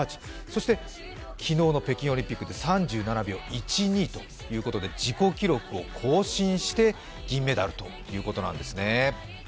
そして昨日の北京オリンピックで３７秒１２ということで、自己記録を更新して銀メダルということなんですね。